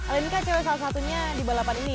alin kaya cewek salah satunya di balapan ini